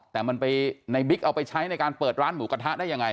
แต่มันไปในบิ๊กเอาไปใช้ในการเปิดร้านหมูกระทะได้ยังไง